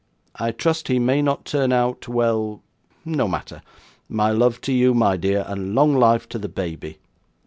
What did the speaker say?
I trust he may not turn out well no matter my love to you, my dear, and long life to the baby!